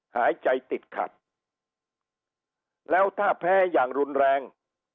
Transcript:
หายใจติดขัดแล้วถ้าแพ้อย่างรุนแรง